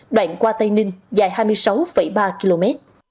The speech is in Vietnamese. đoạn qua tây ninh dài hai mươi sáu ba km